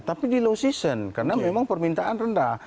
tapi di low season karena memang permintaan rendah